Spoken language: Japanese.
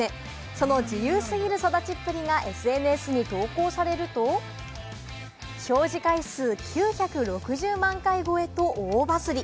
その自由過ぎる育ちっぷりがＳＮＳに投稿されると、表示回数９６０万回超えと大バズり。